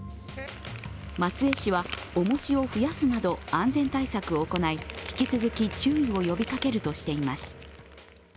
松江市は、重しを増やすなど安全対策を行い、引き続き注意を呼びかけるとしています。